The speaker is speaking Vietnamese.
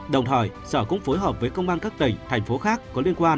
đồng thời sở cũng phối hợp với công an các tỉnh thành phố khác có liên quan